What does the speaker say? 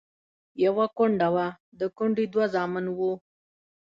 يوه کونډه وه، د کونډې دوه زامن وو.